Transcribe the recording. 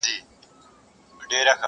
تا به د پی مخو صدقې ته زړه راوړی وي.!